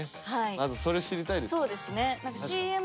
まずそれ知りたいですよね。